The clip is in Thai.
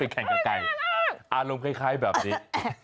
แข่งกับไก่อารมณ์คล้ายแบบนี้